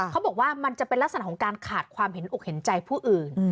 เขาบอกว่ามันจะเป็นลักษณะของการขาดความเห็นอกเห็นใจผู้อื่น